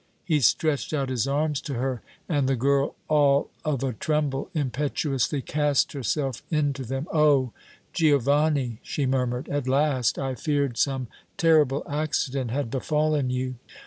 He stretched out his arms to her and the girl, all of a tremble, impetuously cast herself into them. "Oh! Giovanni!" she murmured. "At last. I feared some terrible accident had befallen you."